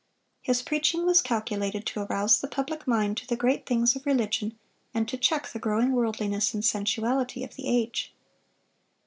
(552) His preaching was calculated to arouse the public mind to the great things of religion, and to check the growing worldliness and sensuality of the age.